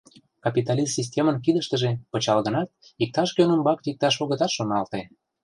Капитализм системын кидыштыже пычал гынат, иктаж-кӧн ӱмбак викташ огытат шоналте.